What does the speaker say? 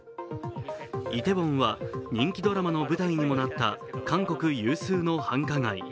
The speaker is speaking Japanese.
イテウォンは人気ドラマの舞台にもなった韓国有数の繁華街。